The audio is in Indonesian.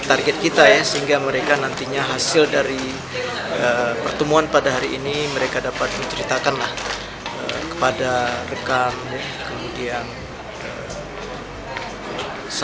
ini target kita ya sehingga mereka nantinya hasil dari pertumbuhan pada hari ini mereka dapat menceritakan kepada rekan kemudian para blogger dan mahasiswa